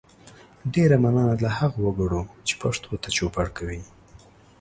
ډیره مننه له هغو وګړو چې پښتو ته چوپړ کوي